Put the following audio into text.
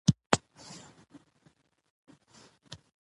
تعلیم یافته میندې د ماشومانو د لاسونو پاکولو عادت پیاوړی کوي.